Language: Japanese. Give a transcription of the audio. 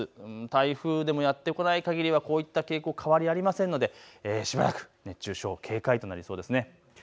台風でもやって来ないかぎりはこういった傾向変わりありませんので、しばらく熱中症、警戒となりそうですね。